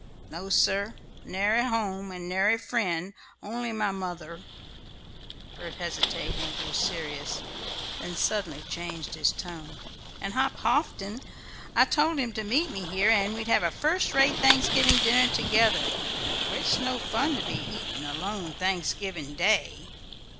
"No, sir; nary home, and nary friend; only my mother" Bert hesitated, and grew serious; then suddenly changed his tone "and Hop Houghton. I told him to meet me here, and we'd have a first rate Thanksgiving dinner together; for it's no fun to be eatin' alone Thanksgiving Day!